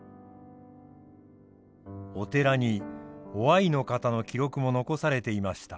お寺に於愛の方の記録も残されていました。